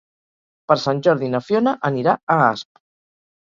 Per Sant Jordi na Fiona anirà a Asp.